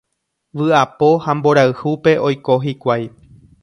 Vy'apo ha mborayhúpe oiko hikuái.